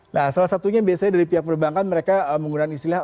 nah salah satunya biasanya dari pihak perbankan mereka menggunakan istilah